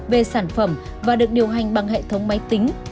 về sản phẩm và được điều hành bằng hệ thống máy tính